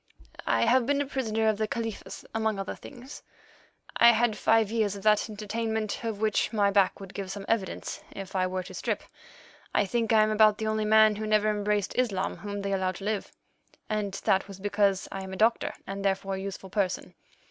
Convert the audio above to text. "I have been a prisoner of the Khalifa's among other things. I had five years of that entertainment of which my back would give some evidence if I were to strip. I think I am about the only man who never embraced Islam whom they allowed to live, and that was because I am a doctor, and, therefore, a useful person.